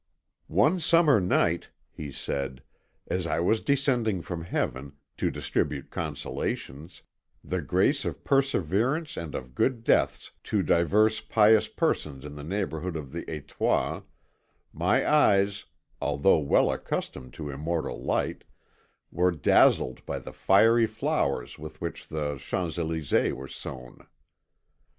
"One summer night," he said, "as I was descending from Heaven, to distribute consolations, the grace of perseverance and of good deaths to divers pious persons in the neighbourhood of the Étoile, my eyes, although well accustomed to immortal light, were dazzled by the fiery flowers with which the Champs Élysées were sown.